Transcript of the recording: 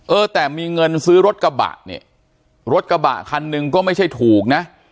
เออแต่มีเงินซื้อรถกระบะเนี่ยรถกระบะคันหนึ่งก็ไม่ใช่ถูกนะ